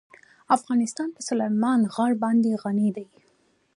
افغانستان په سلیمان غر باندې غني دی.